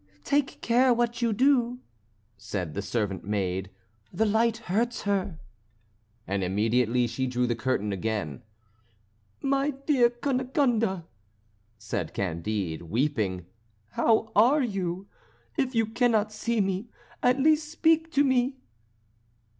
"Take care what you do," said the servant maid; "the light hurts her," and immediately she drew the curtain again. "My dear Cunegonde," said Candide, weeping, "how are you? If you cannot see me, at least speak to me."